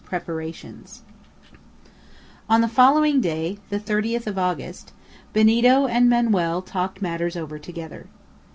PREPARATIONS On the following day, the 30th of August, Benito and Manoel talked matters over together.